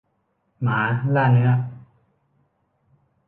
หมาล่าเนื้อ